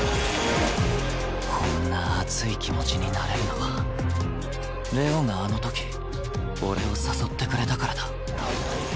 こんな熱い気持ちになれるのは玲王があの時俺を誘ってくれたからだ